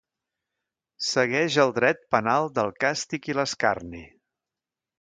Segueix el dret penal del càstig i l'escarni.